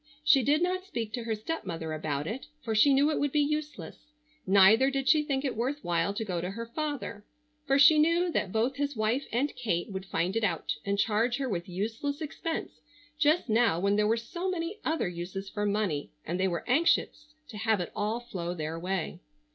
She did not speak to her stepmother about it, for she knew it would be useless; neither did she think it worth while to go to her father, for she knew that both his wife and Kate would find it out and charge her with useless expense just now when there were so many other uses for money, and they were anxious to have it all flow their way.